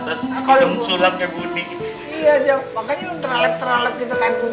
makanya lo teralep teralep kita kaya buni